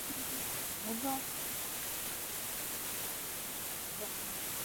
في حسن مطلع أقمار بذي سلم